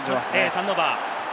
ターンオーバー。